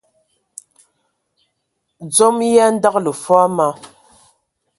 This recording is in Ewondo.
Dzom e andǝgələ fɔɔ ma,